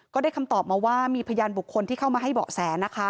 ก็ได้คำตอบมาว่ามีพยานบุคคลที่เข้ามาให้เบาะแสนะคะ